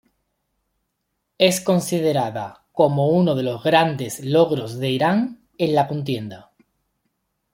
Es considerada como uno de los grandes logros de Irán en la contienda.